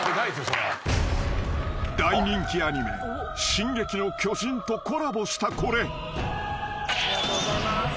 ［大人気アニメ『進撃の巨人』とコラボしたこれ］